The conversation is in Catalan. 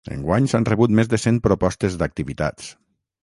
Enguany s'han rebut més de cent propostes d'activitats.